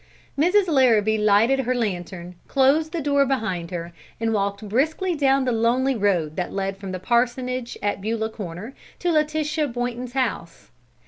Mrs. Larrabee lighted her lantern, closed the door behind her, and walked briskly down the lonely road that led from the parsonage at Beulah Corner to Letitia Boynton's house.